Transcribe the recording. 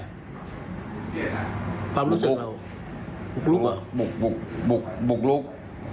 ความรู้สึกอะไรบุกลูกหรอบุกรุก